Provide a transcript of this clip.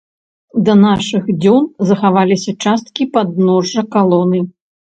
Да нашых дзён захаваліся часткі падножжа калоны.